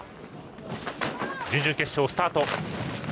準々決勝スタート。